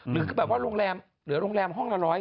หรือแบบว่าโรงแรมหรือโรงแรมห้องละ๑๐๐บาท